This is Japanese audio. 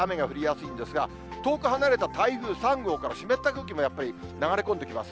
ただでさえ、雨が降りやすいんですが、遠く離れた台風３号から湿った空気が流れ込んできます。